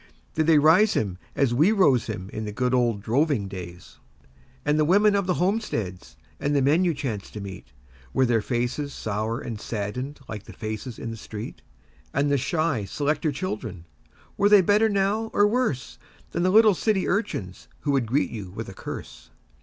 Did they rise him as we rose him in the good old droving days? And the women of the homesteads and the men you chanced to meet Were their faces sour and saddened like the 'faces in the street', And the 'shy selector children' were they better now or worse Than the little city urchins who would greet you with a curse?